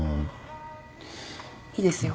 いいですよ。